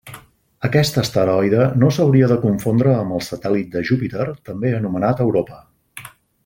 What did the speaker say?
Aquest asteroide no s'hauria de confondre amb el satèl·lit de Júpiter també anomenat Europa.